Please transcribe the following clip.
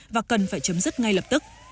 và cần phải chấm dứt ngay lập tức